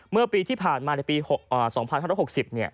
เมื่อปีที่ผ่านมาในปี๒๐๑๖